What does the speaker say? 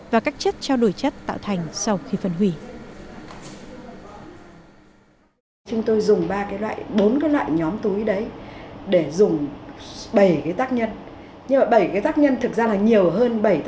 và các chất trao đổi chất tạo thành sau khi phân hủy